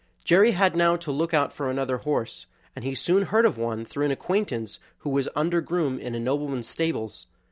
Jerry had now to look out for another horse, and he soon heard of one through an acquaintance who was under groom in a nobleman's stables.